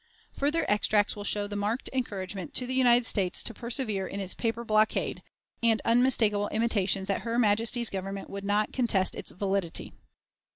Further extracts will show the marked encouragement to the United States to persevere in its paper blockade, and unmistakable intimations that her Majesty's Government would not contest its validity.